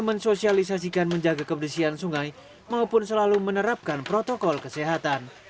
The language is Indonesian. mensosialisasikan menjaga kebersihan sungai maupun selalu menerapkan protokol kesehatan